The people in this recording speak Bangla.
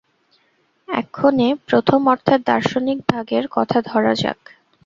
এক্ষণে প্রথম অর্থাৎ দার্শনিক ভাগের কথা ধরা যাক।